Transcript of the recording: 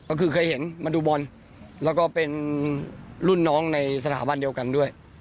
ก็คือเคยเห็นมาดูบอลแล้วก็เป็นรุ่นน้องในสถาบันเดียวกันด้วย